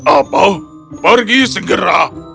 apa pergi segera